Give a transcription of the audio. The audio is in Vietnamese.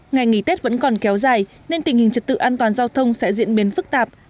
ngày nghỉ tết vẫn còn kéo dài nên tình hình trật tự an toàn giao thông sẽ diễn biến phức tạp